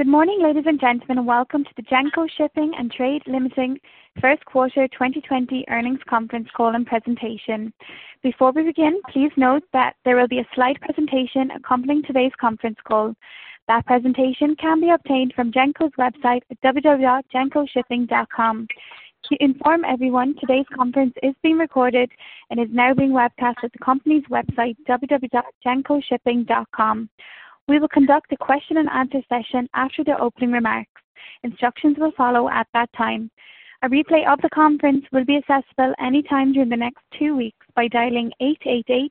Good morning, ladies and gentlemen. Welcome to the Genco Shipping & Trading Limited first quarter 2020 earnings conference call and presentation. Before we begin, please note that there will be a slide presentation accompanying today's conference call. That presentation can be obtained from Genco's website at www.gencoshipping.com. To inform everyone, today's conference is being recorded and is now being webcast at the company's website, www.gencoshipping.com. We will conduct a question and answer session after the opening remarks. Instructions will follow at that time. A replay of the conference will be accessible any time during the next two weeks by dialing 888-203-1112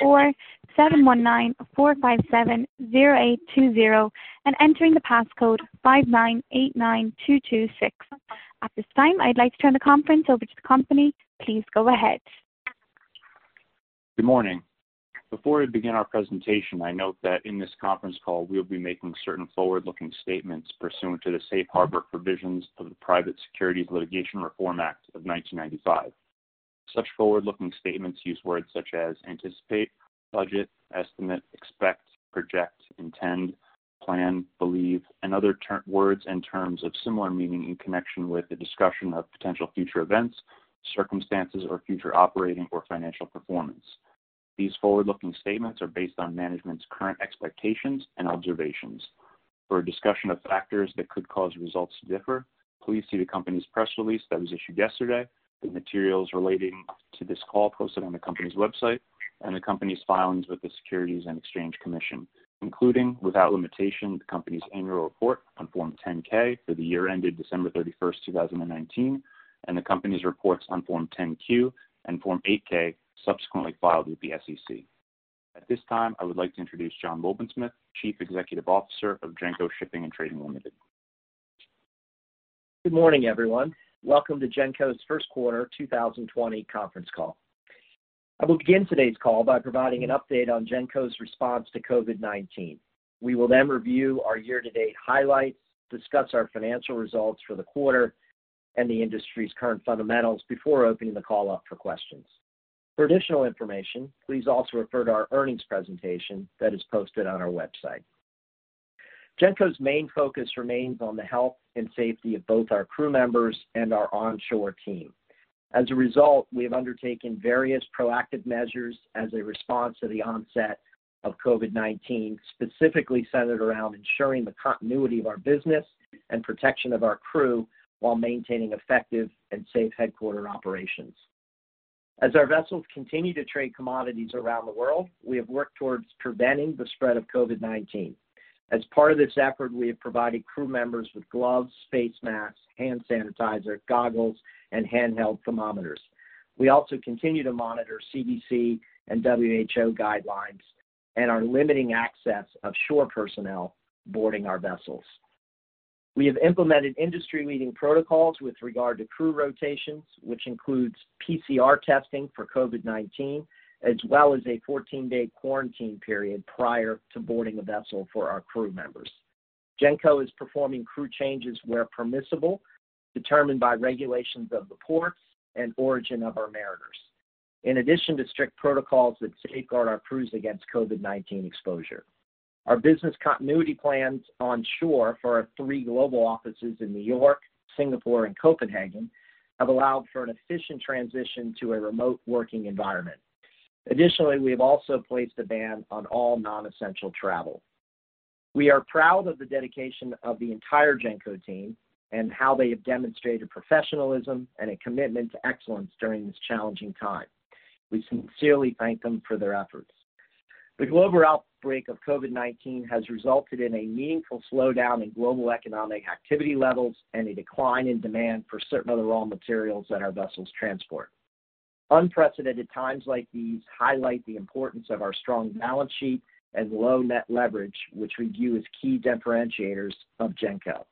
or 719-457-0820 and entering the passcode 5989226. At this time, I'd like to turn the conference over to the company. Please go ahead. Good morning. Before we begin our presentation, I note that in this conference call, we'll be making certain forward-looking statements pursuant to the Safe Harbor Provisions of the Private Securities Litigation Reform Act of 1995. Such forward-looking statements use words such as anticipate, budget, estimate, expect, project, intend, plan, believe, and other words and terms of similar meaning in connection with a discussion of potential future events, circumstances, or future operating or financial performance. These forward-looking statements are based on management's current expectations and observations. For a discussion of factors that could cause results to differ, please see the company's press release that was issued yesterday, the materials relating to this call posted on the company's website, and the company's filings with the Securities and Exchange Commission, including, without limitation, the company's annual report on Form 10-K for the year ended December 31st, 2019, and the company's reports on Form 10-Q and Form 8-K subsequently filed with the SEC. At this time, I would like to introduce John Wobensmith, Chief Executive Officer of Genco Shipping & Trading Limited. Good morning, everyone. Welcome to Genco's first quarter 2020 conference call. I will begin today's call by providing an update on Genco's response to COVID-19. We will then review our year-to-date highlights, discuss our financial results for the quarter and the industry's current fundamentals before opening the call up for questions. For additional information, please also refer to our earnings presentation that is posted on our website. Genco's main focus remains on the health and safety of both our crew members and our onshore team. As a result, we have undertaken various proactive measures as a response to the onset of COVID-19, specifically centered around ensuring the continuity of our business and protection of our crew while maintaining effective and safe headquarter operations. As our vessels continue to trade commodities around the world, we have worked towards preventing the spread of COVID-19. As part of this effort, we have provided crew members with gloves, face masks, hand sanitizer, goggles, and handheld thermometers. We also continue to monitor CDC and WHO guidelines and are limiting access of shore personnel boarding our vessels. We have implemented industry-leading protocols with regard to crew rotations, which includes PCR testing for COVID-19, as well as a 14-day quarantine period prior to boarding a vessel for our crew members. Genco is performing crew changes where permissible, determined by regulations of the ports and origin of our mariners, in addition to strict protocols that safeguard our crews against COVID-19 exposure. Our business continuity plans onshore for our three global offices in New York, Singapore, and Copenhagen have allowed for an efficient transition to a remote working environment. Additionally, we have also placed a ban on all non-essential travel. We are proud of the dedication of the entire Genco team and how they have demonstrated professionalism and a commitment to excellence during this challenging time. We sincerely thank them for their efforts. The global outbreak of COVID-19 has resulted in a meaningful slowdown in global economic activity levels and a decline in demand for certain of the raw materials that our vessels transport. Unprecedented times like these highlight the importance of our strong balance sheet and low net leverage, which we view as key differentiators of Genco.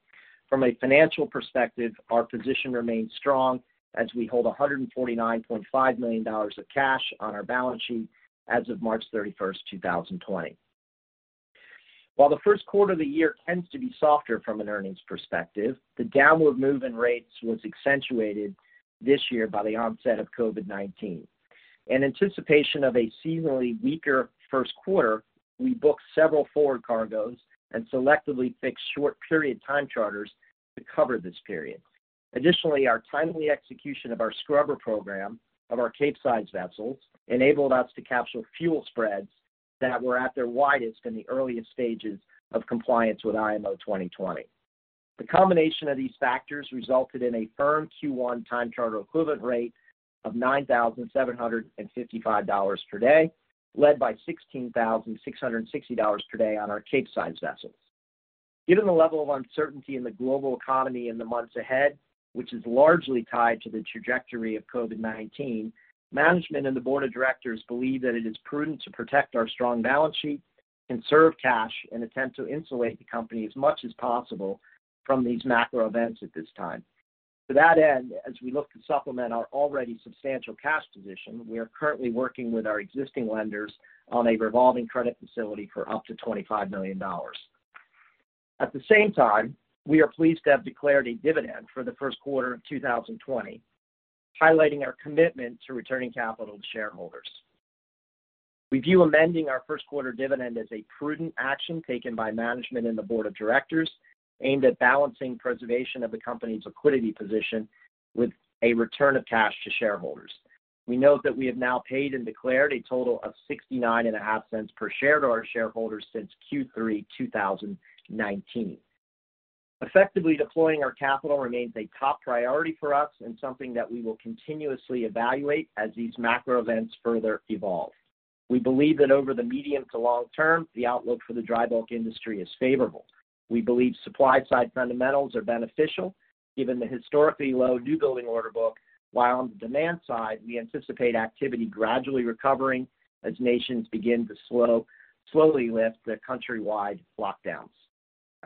From a financial perspective, our position remains strong as we hold $149.5 million of cash on our balance sheet as of March 31st, 2020. While the first quarter of the year tends to be softer from an earnings perspective, the downward move in rates was accentuated this year by the onset of COVID-19. In anticipation of a seasonally weaker first quarter, we booked several forward cargoes and selectively fixed short period time charters to cover this period. Additionally, our timely execution of our scrubber program of our Capesize vessels enabled us to capture fuel spreads that were at their widest in the earliest stages of compliance with IMO 2020. The combination of these factors resulted in a firm Q1 time charter equivalent rate of $9,755 per day, led by $16,660 per day on our Capesize vessels. Given the level of uncertainty in the global economy in the months ahead, which is largely tied to the trajectory of COVID-19, management and the Board of Directors believe that it is prudent to protect our strong balance sheet, conserve cash, and attempt to insulate the company as much as possible from these macro events at this time. To that end, as we look to supplement our already substantial cash position, we are currently working with our existing lenders on a revolving credit facility for up to $25 million. At the same time, we are pleased to have declared a dividend for the first quarter of 2020, highlighting our commitment to returning capital to shareholders. We view amending our first quarter dividend as a prudent action taken by management and the Board of Directors aimed at balancing preservation of the company's liquidity position with a return of cash to shareholders. We note that we have now paid and declared a total of $0.695 per share to our shareholders since Q3 2019. Effectively deploying our capital remains a top priority for us and something that we will continuously evaluate as these macro events further evolve. We believe that over the medium to long term, the outlook for the dry bulk industry is favorable. We believe supply side fundamentals are beneficial given the historically low new building order book, while on the demand side, we anticipate activity gradually recovering as nations begin to slowly lift their countrywide lockdowns.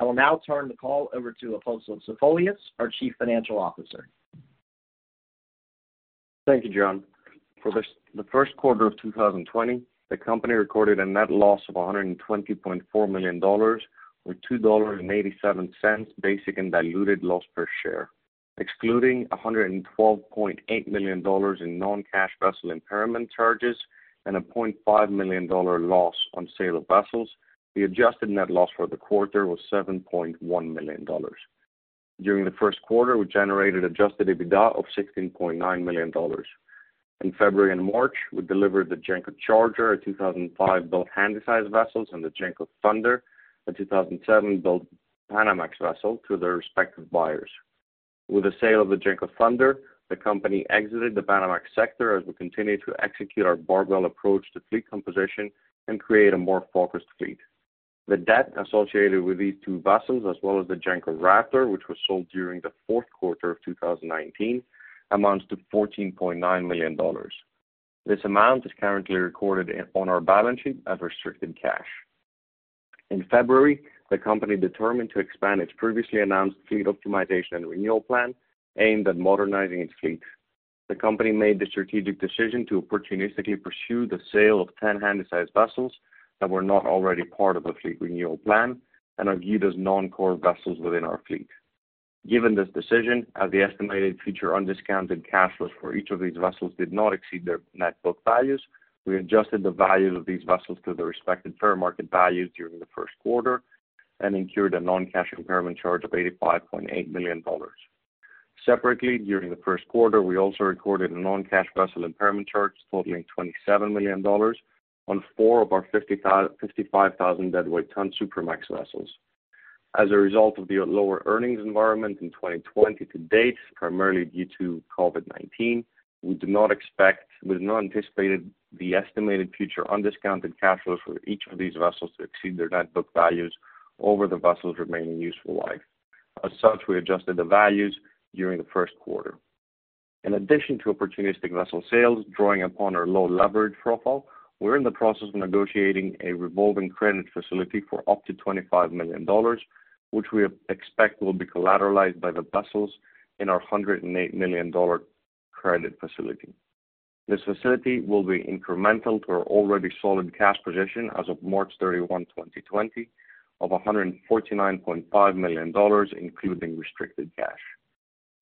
I will now turn the call over to Apostolos Zafolias, our Chief Financial Officer. Thank you, John. For the first quarter of 2020, the company recorded a net loss of $120.4 million with $2.87 basic and diluted loss per share. Excluding $112.8 million in non-cash vessel impairment charges and a $0.5 million loss on sale of vessels, the adjusted net loss for the quarter was $7.1 million. During the first quarter, we generated adjusted EBITDA of $16.9 million. In February and March, we delivered the Genco Charger, a 2005-built Handysize vessel, and the Genco Thunder, a 2007-built Panamax vessel, to their respective buyers. With the sale of the Genco Thunder, the company exited the Panamax sector as we continue to execute our barbell approach to fleet composition and create a more focused fleet. The debt associated with these two vessels, as well as the Genco Raptor, which was sold during the fourth quarter of 2019, amounts to $14.9 million. This amount is currently recorded on our balance sheet as restricted cash. In February, the company determined to expand its previously announced fleet optimization and renewal plan aimed at modernizing its fleet. The company made the strategic decision to opportunistically pursue the sale of 10 Handysize vessels that were not already part of the fleet renewal plan and are viewed as non-core vessels within our fleet. Given this decision, as the estimated future undiscounted cash flows for each of these vessels did not exceed their net book values, we adjusted the values of these vessels to their respective fair market values during the first quarter and incurred a non-cash impairment charge of $85.8 million. Separately, during the first quarter, we also recorded a non-cash vessel impairment charge totaling $27 million on four of our 55,000 deadweight ton Supramax vessels. As a result of the lower earnings environment in 2020 to date, primarily due to COVID-19, we did not anticipate the estimated future undiscounted cash flows for each of these vessels to exceed their net book values over the vessel's remaining useful life. We adjusted the values during the first quarter. In addition to opportunistic vessel sales, drawing upon our low leverage profile, we're in the process of negotiating a revolving credit facility for up to $25 million, which we expect will be collateralized by the vessels in our $108 million credit facility. This facility will be incremental to our already solid cash position as of March 31, 2020, of $149.5 million, including restricted cash.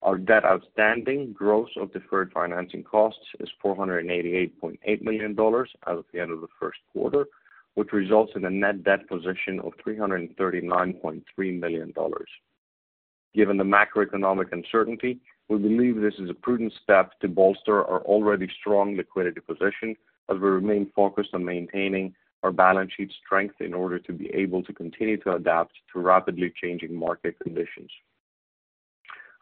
Our debt outstanding, gross of deferred financing costs, is $488.8 million as of the end of the first quarter, which results in a net debt position of $339.3 million. Given the macroeconomic uncertainty, we believe this is a prudent step to bolster our already strong liquidity position as we remain focused on maintaining our balance sheet strength in order to be able to continue to adapt to rapidly changing market conditions.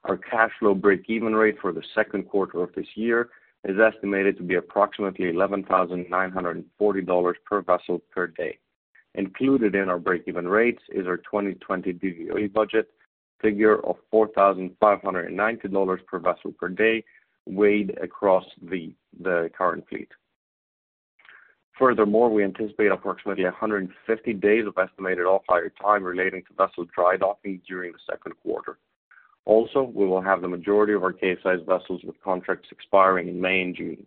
Our cash flow break-even rate for the second quarter of this year is estimated to be approximately $11,940 per vessel per day. Included in our break-even rates is our 2020 DVOE budget figure of $4,590 per vessel per day weighed across the current fleet. Furthermore, we anticipate approximately 150 days of estimated off-hire time relating to vessel dry docking during the second quarter. Also, we will have the majority of our Capesize vessels with contracts expiring in May and June.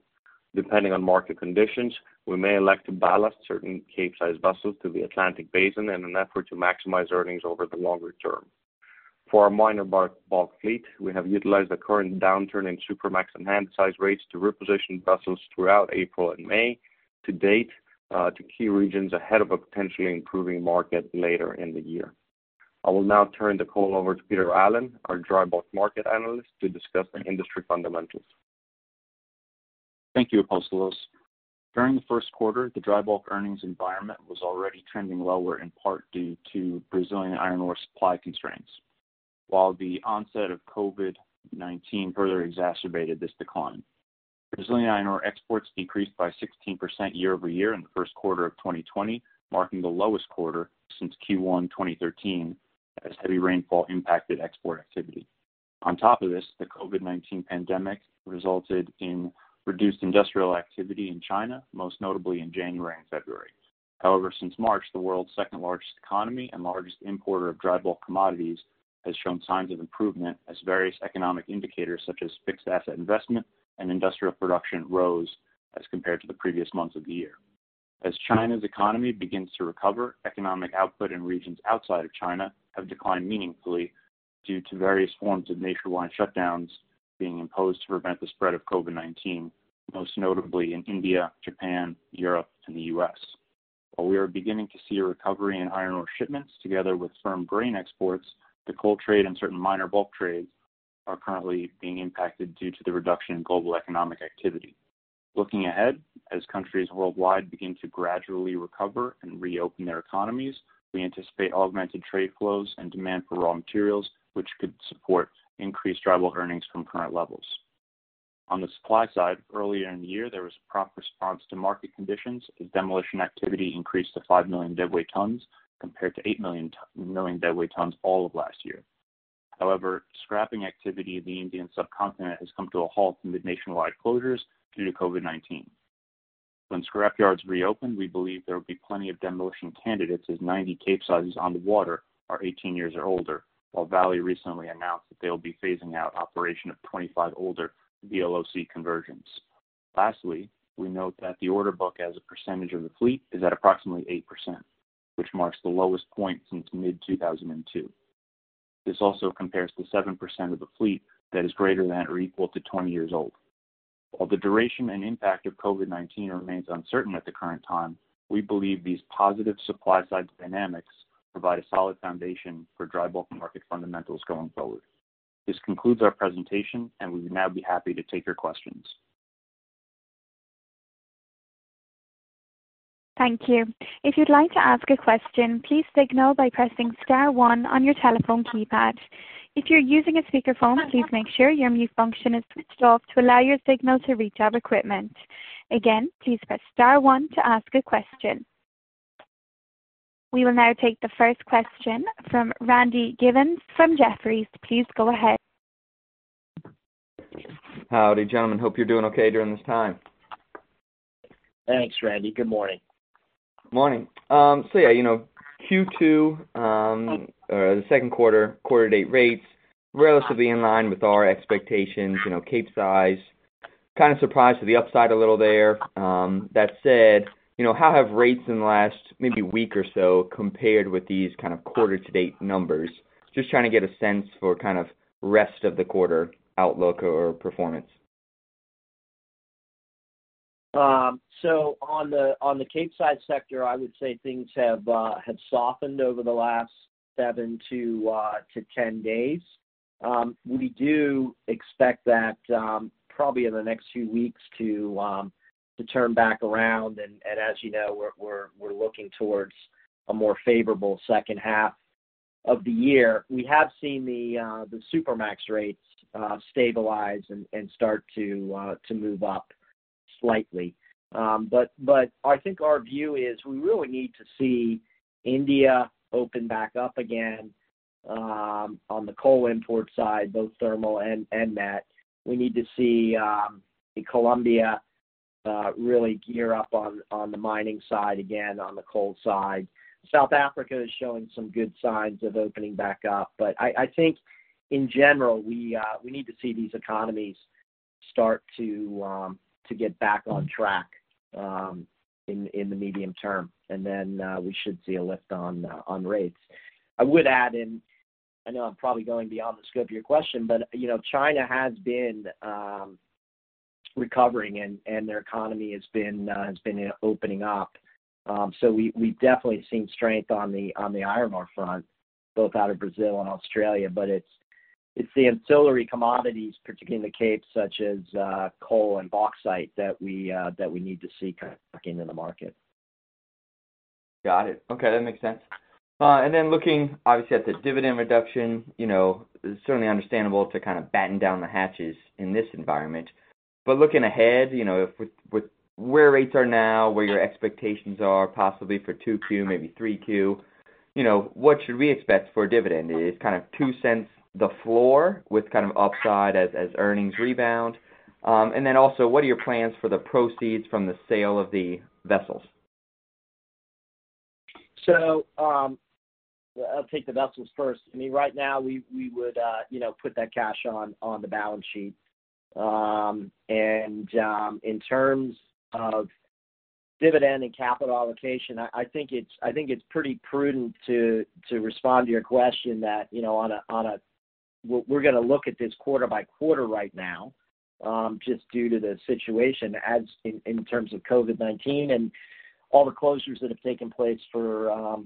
Depending on market conditions, we may elect to ballast certain Capesize vessels to the Atlantic Basin in an effort to maximize earnings over the longer term. For our minor bulk fleet, we have utilized the current downturn in Supramax and Handysize rates to reposition vessels throughout April and May to date to key regions ahead of a potentially improving market later in the year. I will now turn the call over to Peter Allen, our Dry Bulk Market Analyst, to discuss the industry fundamentals. Thank you, Apostolos. During the first quarter, the dry bulk earnings environment was already trending lower in part due to Brazilian iron ore supply constraints, while the onset of COVID-19 further exacerbated this decline. Brazilian iron ore exports decreased by 16% year-over-year in the first quarter of 2020, marking the lowest quarter since Q1 2013 as heavy rainfall impacted export activity. On top of this, the COVID-19 pandemic resulted in reduced industrial activity in China, most notably in January and February. However, since March, the world's second-largest economy and largest importer of dry bulk commodities has shown signs of improvement as various economic indicators such as fixed asset investment and industrial production rose as compared to the previous months of the year. As China's economy begins to recover, economic output in regions outside of China have declined meaningfully due to various forms of nationwide shutdowns being imposed to prevent the spread of COVID-19, most notably in India, Japan, Europe, and the U.S. While we are beginning to see a recovery in iron ore shipments, together with firm grain exports, the coal trade and certain minor bulk trades are currently being impacted due to the reduction in global economic activity. Looking ahead, as countries worldwide begin to gradually recover and reopen their economies, we anticipate augmented trade flows and demand for raw materials, which could support increased dry bulk earnings from current levels. On the supply side, earlier in the year, there was a prompt response to market conditions as demolition activity increased to 5 million deadweight tons compared to 8 million deadweight tons all of last year. However, scrapping activity in the Indian subcontinent has come to a halt amid nationwide closures due to COVID-19. When scrapyards reopen, we believe there will be plenty of demolition candidates, as 90 Capesizes on the water are 18 years or older, while Vale recently announced that they'll be phasing out operation of 25 older VLOC conversions. Lastly, we note that the order book as a percentage of the fleet is at approximately 8%, which marks the lowest point since mid-2002. This also compares to 7% of the fleet that is greater than or equal to 20 years old. While the duration and impact of COVID-19 remains uncertain at the current time, we believe these positive supply-side dynamics provide a solid foundation for dry bulk market fundamentals going forward. This concludes our presentation, and we would now be happy to take your questions. Thank you. If you'd like to ask a question, please signal by pressing star one on your telephone keypad. If you're using a speakerphone, please make sure your mute function is switched off to allow your signal to reach our equipment. Again, please press star one to ask a question. We will now take the first question from Randy Giveans from Jefferies. Please go ahead. Howdy, John. Hope you're doing okay during this time. Thanks, Randy. Good morning. Morning. Yeah, Q2, the second quarter-to-date rates were relatively in line with our expectations. Capesize, kind of surprised to the upside a little there. That said, how have rates in the last maybe week or so compared with these kind of quarter-to-date numbers? I'm just trying to get a sense for kind of rest of the quarter outlook or performance. On the Capesize sector, I would say things have softened over the last 7-10 days. We do expect that probably in the next few weeks to turn back around, and as you know, we're looking towards a more favorable second half of the year. We have seen the Supramax rates stabilize and start to move up slightly. I think our view is we really need to see India open back up again on the coal import side, both thermal and met. We need to see Colombia really gear up on the mining side again, on the coal side. South Africa is showing some good signs of opening back up. I think in general, we need to see these economies start to get back on track in the medium term, and then we should see a lift on rates. I would add in, I know I'm probably going beyond the scope of your question. China has been recovering, and their economy has been opening up. We've definitely seen strength on the iron ore front, both out of Brazil and Australia, but it's the ancillary commodities, particularly in the Cape such as coal and bauxite, that we need to see kind of back into the market. Got it. Okay. That makes sense. Looking obviously at the dividend reduction, certainly understandable to kind of batten down the hatches in this environment. Looking ahead, with where rates are now, where your expectations are possibly for 2Q, maybe 3Q, what should we expect for a dividend? Is kind of $0.02 the floor with kind of upside as earnings rebound? Also, what are your plans for the proceeds from the sale of the vessels? I'll take the vessels first. Right now, we would put that cash on the balance sheet. In terms of dividend and capital allocation, I think it's pretty prudent to respond to your question that we're going to look at this quarter-by-quarter right now just due to the situation in terms of COVID-19 and all the closures that have taken place for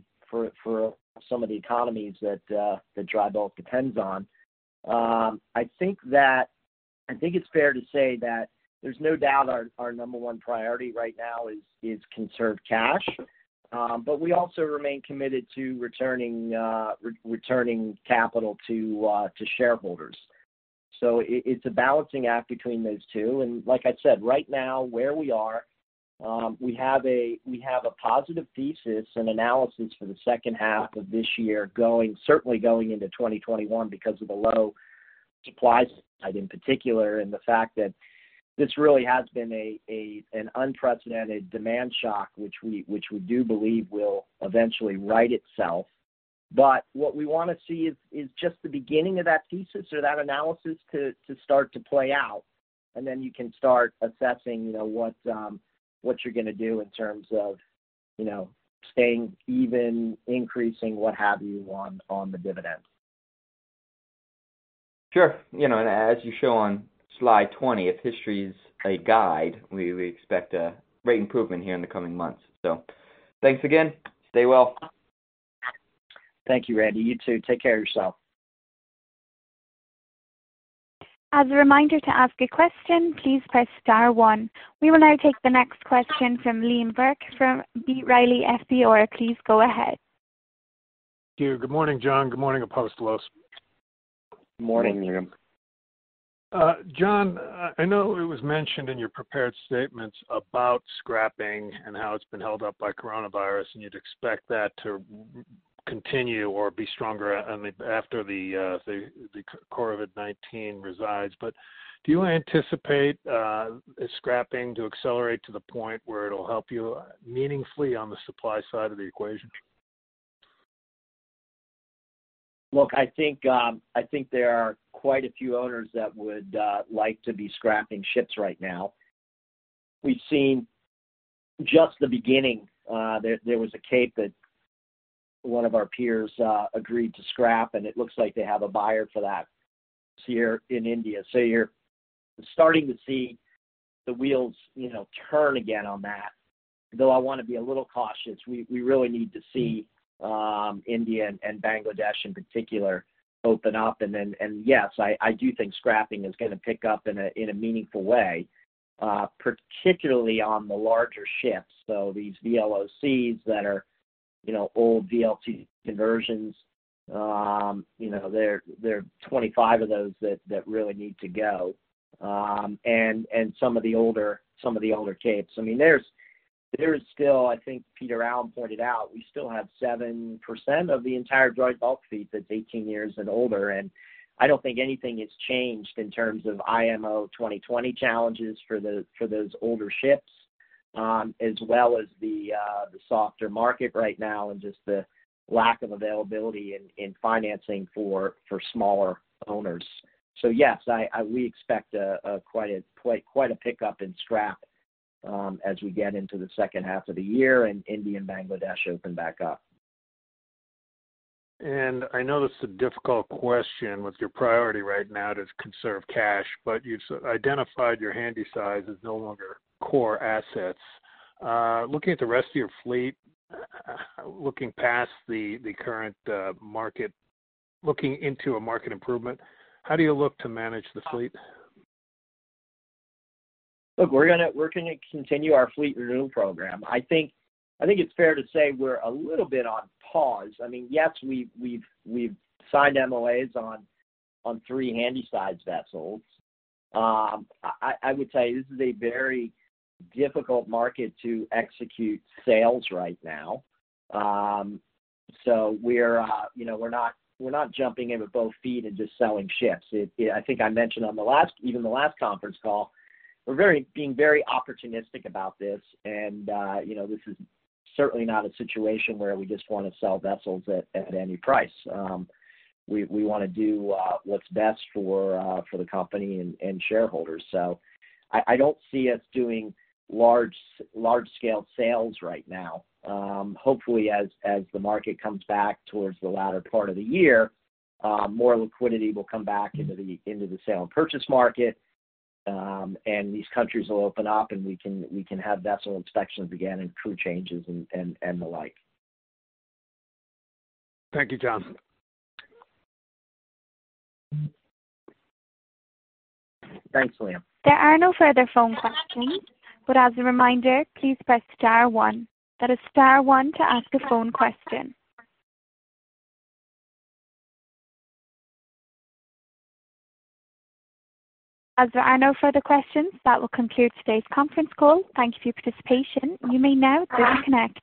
some of the economies that dry bulk depends on. I think it's fair to say that there's no doubt our number one priority right now is conserve cash. We also remain committed to returning capital to shareholders. It's a balancing act between those two. Like I said, right now, where we are, we have a positive thesis and analysis for the second half of this year, certainly going into 2021 because of the low supply side in particular, and the fact that this really has been an unprecedented demand shock, which we do believe will eventually right itself. What we want to see is just the beginning of that thesis or that analysis to start to play out, and then you can start assessing what you're going to do in terms of staying even, increasing, what have you, on the dividends. Sure. As you show on slide 20, if history is a guide, we expect a rate improvement here in the coming months. Thanks again. Stay well. Thank you, Randy. You too. Take care of yourself. As a reminder to ask a question, please press star one. We will now take the next question from Liam Burke from B. Riley FBR. Please go ahead. Thank you. Good morning, John. Good morning, Apostolos. Morning, Liam. John, I know it was mentioned in your prepared statements about scrapping and how it's been held up by COVID-19, and you'd expect that to continue or be stronger after the COVID-19 resides. Do you anticipate scrapping to accelerate to the point where it'll help you meaningfully on the supply side of the equation? Look, I think there are quite a few owners that would like to be scrapping ships right now. We've seen just the beginning. There was a Cape that one of our peers agreed to scrap, and it looks like they have a buyer for that here in India. You're starting to see the wheels turn again on that, though I want to be a little cautious. We really need to see India and Bangladesh in particular open up. Yes, I do think scrapping is going to pick up in a meaningful way, particularly on the larger ships. These VLOCs that are old VLCC conversions, there are 25 of those that really need to go, and some of the older Capes. I think Peter Allen pointed out we still have 7% of the entire dry bulk fleet that's 18 years and older. I don't think anything has changed in terms of IMO 2020 challenges for those older ships, as well as the softer market right now and just the lack of availability in financing for smaller owners. Yes, we expect quite a pickup in scrap as we get into the second half of the year and India and Bangladesh open back up. I know this is a difficult question with your priority right now to conserve cash, but you've identified your Handysize as no longer core assets. Looking at the rest of your fleet, looking past the current market, looking into a market improvement, how do you look to manage the fleet? Look, we're going to continue our fleet renewal program. I think it's fair to say we're a little bit on pause. Yes, we've signed MOAs on three Handysize vessels. I would tell you this is a very difficult market to execute sales right now. We're not jumping in with both feet and just selling ships. I think I mentioned even the last conference call, we're being very opportunistic about this, and this is certainly not a situation where we just want to sell vessels at any price. We want to do what's best for the company and shareholders. I don't see us doing large-scale sales right now. Hopefully, as the market comes back towards the latter part of the year, more liquidity will come back into the sale and purchase market, and these countries will open up, and we can have vessel inspections again and crew changes and the like. Thank you, John. Thanks, Liam. There are no further phone questions, but as a reminder, please press star one. That is star one to ask a phone question. As there are no further questions, that will conclude today's conference call. Thank you for your participation. You may now disconnect.